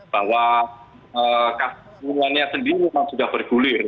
bahwa kasus pembunuhannya sendiri memang sudah bergulir